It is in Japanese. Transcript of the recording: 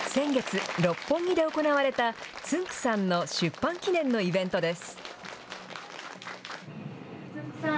先月、六本木で行われたつんく♂さんの出版記念のイベントです。